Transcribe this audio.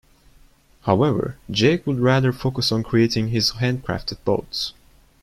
However, Jake would rather focus on creating his handcrafted boats.